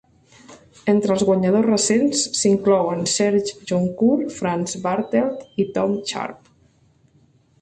Entre els guanyadors recents s'inclouen Serge Joncour, Franz Bartelt i Tom Sharpe.